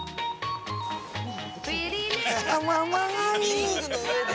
「リングの上で」